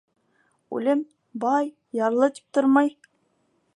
Үлем «бай», «ярлы» тип тормай.